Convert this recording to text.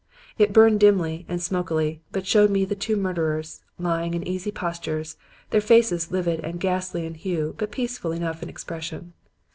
It burned dimly and smokily, but showed me the two murderers, lying in easy postures, their faces livid and ghastly in hue but peaceful enough in expression.